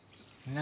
何？